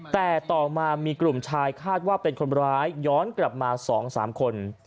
แต่ต่อมามีกลุ่มชายคาดว่าเป็นคนร้ายย้อนกลับมา๒๓คน